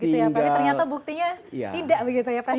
tapi ternyata buktinya tidak begitu ya prestasinya banyak sekali